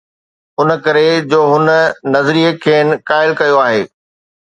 ان ڪري جو هن نظريي کين قائل ڪيو آهي.